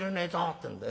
ってんで。